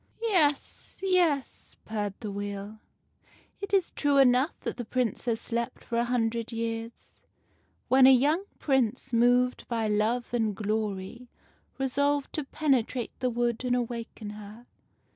"Yes, yes," purred the Wheel, "it is true enough that the Princess slept for a hundred years, when a young Prince, moved by love and glory, resolved to penetrate the wood and awaken her.